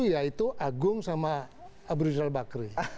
yaitu agung sama abu rizal bakri